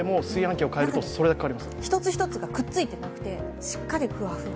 一つ一つがくっついてなくてしっかりふわふわ。